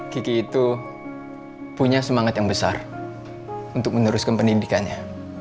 kiki itu punya semangat yang besar untuk meneruskan pendidikannya